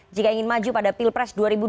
jika ingin maju pada pilpres dua ribu dua puluh